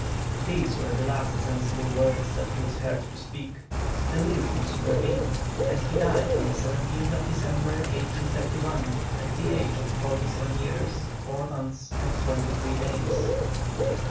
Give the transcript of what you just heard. These were the last sensible words that he was heard to speak. Delirium supervened, and he died on the 17th December, 1831, at the age of forty seven years four months and twenty three days.